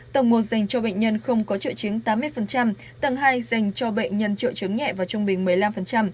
tầng một dành cho bệnh nhân không có triệu chứng tám mươi tầng hai dành cho bệnh nhân triệu chứng nhẹ và trung bình một mươi năm